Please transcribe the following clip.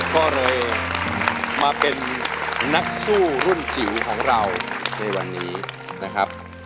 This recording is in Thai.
ก็เลยมาเป็นนักสู้รุ่นจิ๋วของเราในวันนี้นะครับ